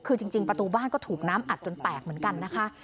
คือจริงประตูบ้านก็ถูกน้ำอัดจนแตกเหมือนกันนะคะ